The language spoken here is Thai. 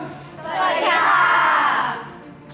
สวัสดีค่ะ